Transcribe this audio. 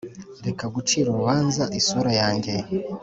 reka gucira urubanza isura yanjye